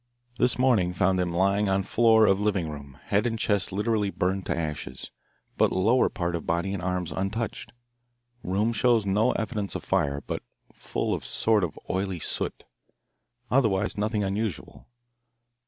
This morning found him lying on floor of living room, head and chest literally burned to ashes, but lower part of body and arms untouched. Room shows no evidence of fire, but full of sort of oily soot. Otherwise nothing unusual.